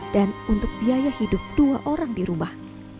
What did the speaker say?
dan untuk biaya hidup dua orang di rumah